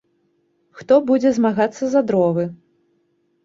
Хто будзе змагацца за дровы?